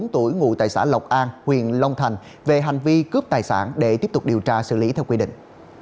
hai mươi bốn tuổi ngụ tài sản lộc an huyện long thành về hành vi cướp tài sản để tiếp tục điều tra xử lý theo quy định